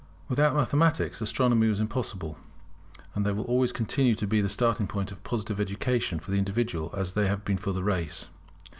Without Mathematics, Astronomy was impossible: and they will always continue to be the starting point of Positive education for the individual as they have been for the race.